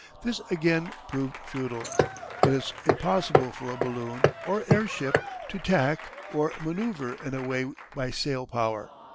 This again proved futile. It is impossible for a balloon, or airship to "tack" or manoeuvre in any way by sail power.